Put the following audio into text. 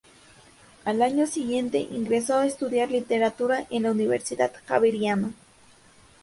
Al año siguiente ingresó a estudiar literatura en la Universidad Javeriana.